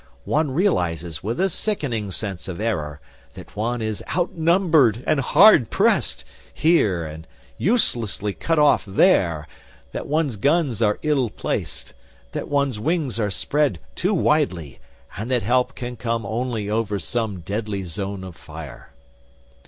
One realises with a sickening sense of error that one is outnumbered and hard pressed here and uselessly cut off there, that one's guns are ill placed, that one's wings are spread too widely, and that help can come only over some deadly zone of fire.